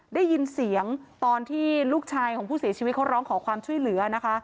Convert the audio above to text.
ได้ยินเสียงตอนที่ลูกชายของผู้เสียชีวิตเขาร้องขอความช่วยเหลือนะคะ